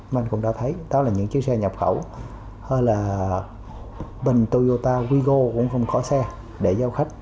mình cũng đã thấy đó là những chiếc xe nhập khẩu hay là bình toyota quygo cũng không có xe để giao khách